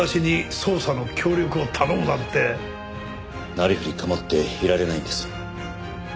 なりふり構っていられないんです。